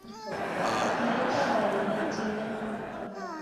Ney ka dari hay tìhna.